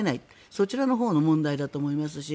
そちらのほうの問題だと思いますし